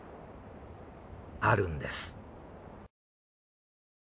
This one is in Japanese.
あるんです。